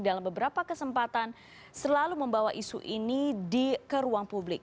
dalam beberapa kesempatan selalu membawa isu ini ke ruang publik